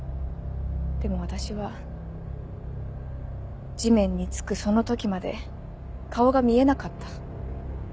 でも私は地面に着くその時まで顔が見えなかった。